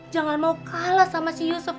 jangan mau kalah sama si yusuf